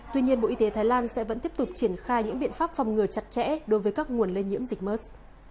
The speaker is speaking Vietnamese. tuy nhiên bộ y tế thái lan sẽ vẫn tiếp tục triển khai những biện pháp phòng ngừa chặt chẽ đối với các nguồn lây nhiễm dịch mers